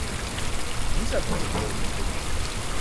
Nous avons les pommes du pommier.